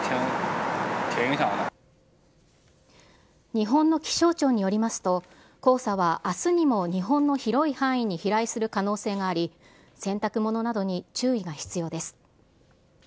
日本の気象庁によりますと、黄砂はあすにも日本の広い範囲に飛来する可能性があり、洗濯物などに注意が必要です。